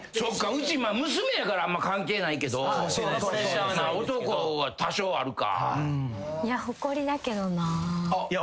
うち娘やからあんま関係ないけど男は多少あるか。